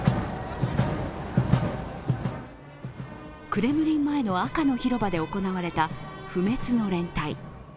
クレムリンの前の赤の広場で行われた、不滅の連隊。